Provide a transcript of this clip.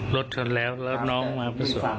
รถชนแล้วแล้วน้องมาประสบ